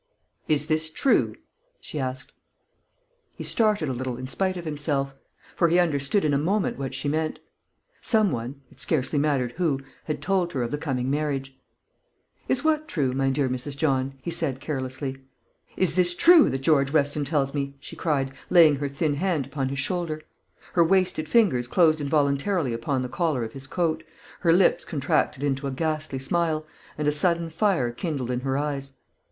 "Is this true?" she asked. He started a little, in spite of himself; for he understood in a moment what she meant. Some one, it scarcely mattered who, had told her of the coming marriage. "Is what true, my dear Mrs. John?" he said carelessly. "Is this true that George Weston tells me?" she cried, laying her thin hand upon his shoulder. Her wasted fingers closed involuntarily upon the collar of his coat, her lips contracted into a ghastly smile, and a sudden fire kindled in her eyes.